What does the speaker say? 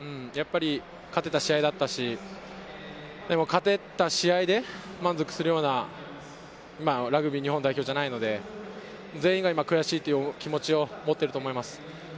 勝てた試合だったし、勝てた試合で満足するようなラグビー日本代表ではないので、全員が悔しいという気持ちを持っていると思います。